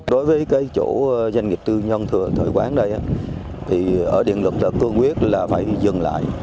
đối với chỗ doanh nghiệp tư nhân thời quán đây thì ở điện lực cương quyết là phải dừng lại